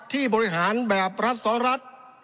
ที่บริหารแบบรัฐสรัตน์